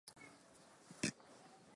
ally salum hapi alikuwa akisoma sheria